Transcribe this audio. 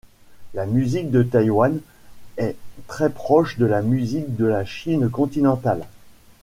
La musique de Taïwan est très proche de la musique de la Chine continentale.